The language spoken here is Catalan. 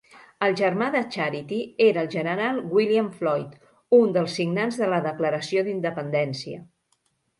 El germà de Charity era el general William Floyd, un dels signants de la Declaració d'Independència.